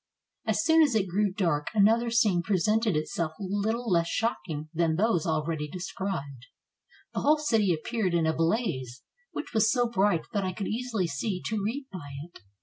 As soon as it grew dark, another scene presented itself little less shocking than those already described; the whole city appeared in a blaze, which was so bright that I could easily see to read by it.